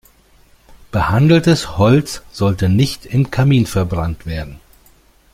Behandeltes Holz sollte nicht im Kamin verbrannt werden.